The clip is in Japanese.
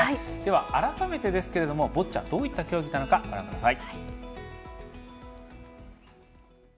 改めてボッチャどういった競技なのかご覧ください。